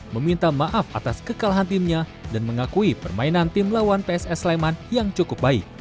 meminta maaf atas kekalahan timnya dan mengakui permainan tim lawan pss sleman yang cukup baik